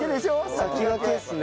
先駆けですね。